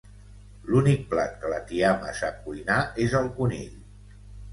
L'únic plat que la tiama sap cuinar és el conill.